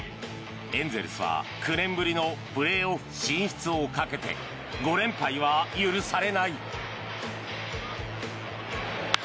エンゼルスは、９年ぶりのプレーオフ進出をかけて５連敗は許されない。